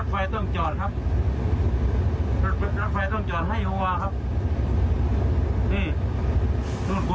ไฟต้องจอดครับรถไฟต้องจอดให้วัวครับนี่